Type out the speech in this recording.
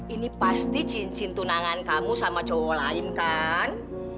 ini pasti cincin tunangan kamu sama cowok lain kan